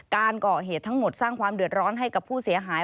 การก่อเหตุทั้งหมดสร้างความเดือดร้อนให้กับผู้เสียหาย